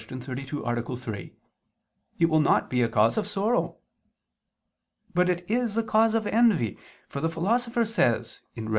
32, A. 3) it will not be a cause of sorrow. But it is a cause of envy; for the Philosopher says (Rhet.